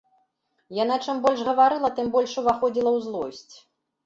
Яна чым больш гаварыла, тым больш уваходзіла ў злосць.